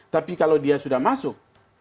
tapi kalau dia sudah masuk